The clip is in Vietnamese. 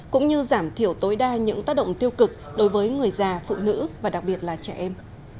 cũng như giảm thiểu tối đa những tác động tiêu cực đối với người già phụ nữ và đặc biệt là trẻ em